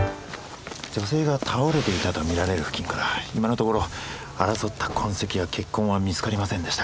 女性が倒れていたと見られる付近から今のところ争った痕跡や血痕は見つかりませんでした。